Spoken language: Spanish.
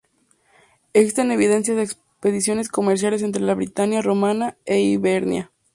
Existen evidencia de expediciones comerciales entre la Britania romana e Hibernia.